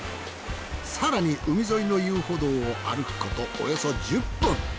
更に海沿いの遊歩道を歩くことおよそ１０分。